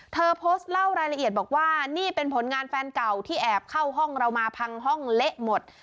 เธอโพสต์เล่ารายละเอียดบอกว่านี่เป็นผลงานแฟนเก่าที่แอบเข้าห้องเรามาพังห้องเละหมด